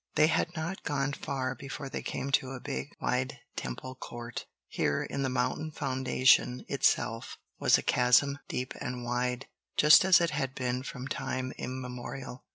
They had not gone far before they came to a big, wide Temple court. Here, in the mountain foundation itself, was a chasm, deep and wide—just as it had been from time immemorial.